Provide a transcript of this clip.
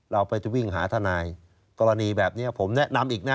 เราไปจะวิ่งหาทนายกรณีแบบนี้ผมแนะนำอีกนะ